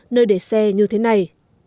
nơi để xe như thế này